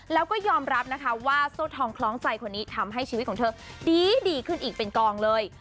แล้วก็ยอมรับนะคะว่าโซ่ทองคล้องใจคนนี้ทำให้ชีวิตของเธอดีขึ้นอีกเป็นกองเลย